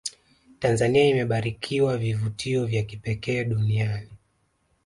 tanzania imebarikiwa vivutio vya kipekee duniani